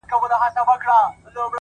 o د مقدسي فلسفې د پيلولو په نيت،